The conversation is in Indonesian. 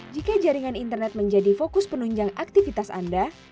jika jaringan internet menjadi fokus penunjang aktivitas anda